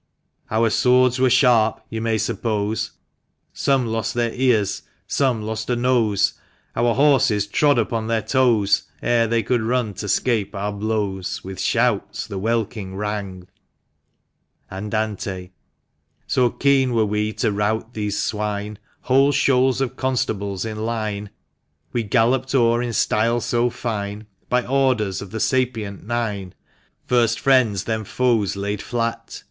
Our swords were sharp, you may suppose, Some lost their ears — some lost a nose ; Our horses trod upon their toes Ere they could run t' escape our blows : With shouts the welkin rang. Andante. So keen were we to rout these swine, Whole shoals of constables in line We galloped o'er in style so fine, By orders of the SAPIENT NINE — First friends, then foes, laid flat.